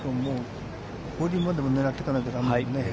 ホールインワンでも狙っていかなきゃダメだね。